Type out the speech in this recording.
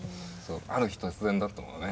ある日突然だったもんね。